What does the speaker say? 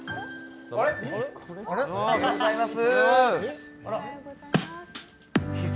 おはようございます。